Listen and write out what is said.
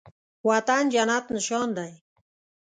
وطن جنت نشان دی